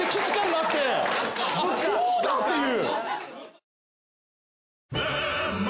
あっそうだっていう。